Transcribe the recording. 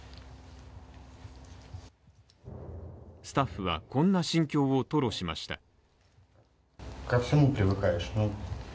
スタッフはこんな心境を吐露しました。